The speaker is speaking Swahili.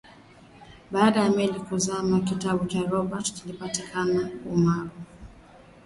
baada ya meli kuzama kitabu cha robertson kilipata umaarufu